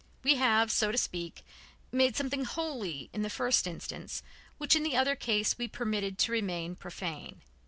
We have, so to speak, made something holy in the first instance which in the other case we permitted to remain profane.